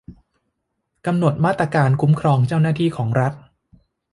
กำหนดมาตรการคุ้มครองเจ้าหน้าที่ของรัฐ